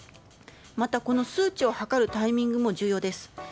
またこの数値を測るタイミングも重要です。